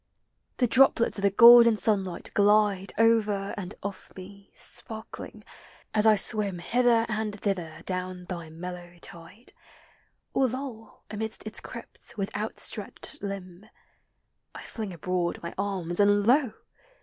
The droplets of the golden sunlight glide Over and off me, sparkling, as I swim Hither and thither down thy mellow tide, Or loll amid its crypts with outstretched limb; I fling abroad my arms, and lo